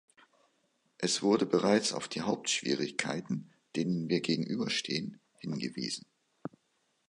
Es wurde bereits auf die Hauptschwierigkeiten, denen wir gegenüberstehen, hingewiesen.